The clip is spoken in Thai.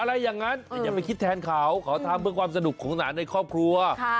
อะไรอย่างนั้นแต่อย่าไปคิดแทนเขาเขาทำเพื่อความสนุกของหลานในครอบครัว